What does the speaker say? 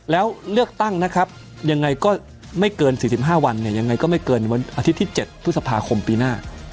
แล้วเลือกตั้งนะครับยังไงก็ไม่เกิน๔๕วันเนี่ยยังไงก็ไม่เกินวันอาทิตย์ที่๗พฤษภาคมปีหน้า